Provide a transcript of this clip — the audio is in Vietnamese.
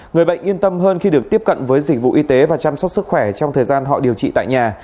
người bệnh yên tâm hơn khi được tiếp cận với dịch vụ y tế và chăm sóc sức khỏe trong thời gian họ điều trị tại nhà